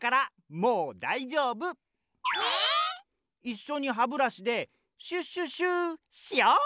いっしょにハブラシでシュシュシュしよう！